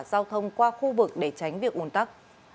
giao thông qua khu vực để tránh việc ồn tắc